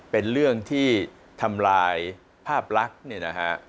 เป็นเรื่องที่ทำลายภาพลักษณ์เนี่ยนะฮะ